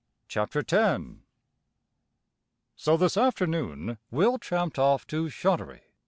"] X So this afternoon Will tramped off to Shottery.